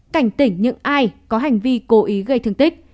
cảnh tỉnh những ai có hành vi cố ý gây thương tích